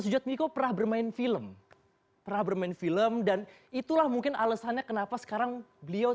sujatmiko pernah bermain film pernah bermain film dan itulah mungkin alasannya kenapa sekarang beliau